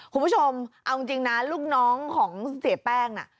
คุณผู้ชมเอาจริงนะลูกน้องของเสียแป้งน่ะ